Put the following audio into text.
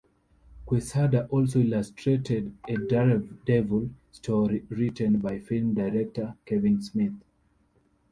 Quesada also illustrated a "Daredevil" story written by film director Kevin Smith.